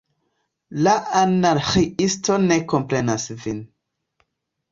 La Anarĥiisto ne komprenas vin.